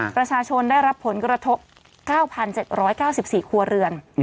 ประชาชนได้รับผลกระทบ๙๗๙๔ครัวเรือน